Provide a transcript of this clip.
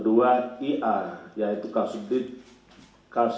tk kepala bpkad kabupaten bogor